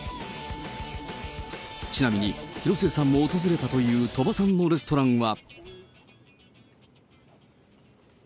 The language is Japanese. ちなみに、広末さんも訪れたという鳥羽さんのレストランは。